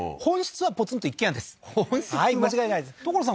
はい間違いないです所さん